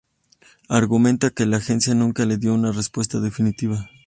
Argumenta que la agencia nunca le dio una respuesta definitiva.